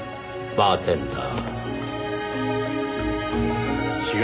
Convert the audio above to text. バーテンダー。